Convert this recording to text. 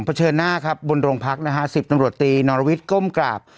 ดังต้นเชิญหน้าครับบนโรงพักนะฮะสิบตรวจตีลอนรวิษฐ์ก้มกราบ